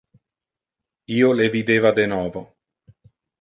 Io le videva de novo.